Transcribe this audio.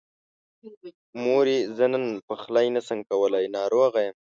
مورې! زه نن پخلی نشمه کولی، ناروغه يم.